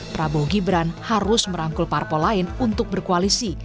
prabowo gibran harus merangkul parpol lain untuk berkoalisi